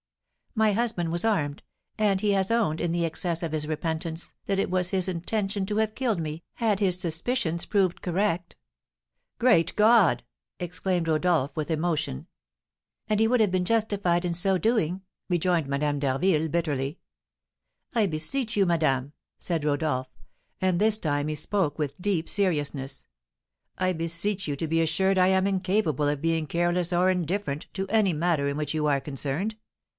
My husband was armed; and he has owned, in the excess of his repentance, that it was his intention to have killed me, had his suspicions proved correct." "Great God!" exclaimed Rodolph with emotion. "And he would have been justified in so doing," rejoined Madame d'Harville, bitterly. "I beseech you, madame," said Rodolph, and this time he spoke with deep seriousness, "I beseech you to be assured I am incapable of being careless or indifferent to any matter in which you are concerned.